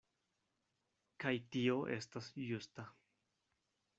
Kaj tio estas justa.